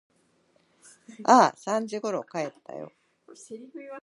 ああ、三時ころ帰ったよ。